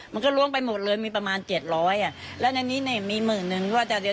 แม่คิดว่าแม่อยู่กับเจี๊ยบได้ไหมต่อไปนี้